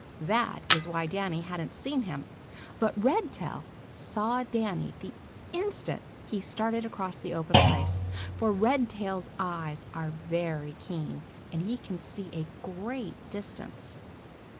That is why Danny hadn't seen him. But Redtail saw Danny the instant he started across the open place, for Redtail's eyes are very keen, and he can see a great distance.